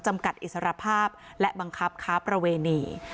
จำกัดอิสรภาพและบังคับค้าประเวณี